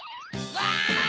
わい！